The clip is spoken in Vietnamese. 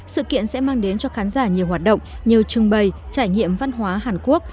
sự kiện sẽ mang đến cho khán giả nhiều hoạt động như trưng bày trải nghiệm văn hóa hàn quốc